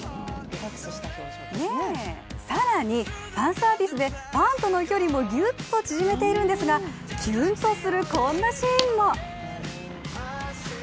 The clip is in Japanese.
更にファンサービスでファンとの距離もギュッと縮めているんですがキュンとするこんなシーンも。